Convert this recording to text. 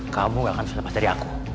kamu gak akan selepas dari aku